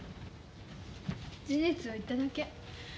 事実を言っただけ。